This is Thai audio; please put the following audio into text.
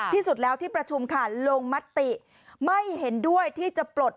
ที่สุดแล้วที่ประชุมค่ะลงมติไม่เห็นด้วยที่จะปลด